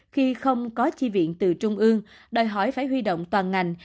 khi không có chi viện từ trung ương đòi hỏi phải huy động toàn ngành